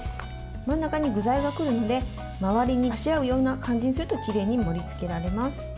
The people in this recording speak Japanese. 真ん中に具材がくるので周りにあしらうような感じにするときれいに盛りつけられます。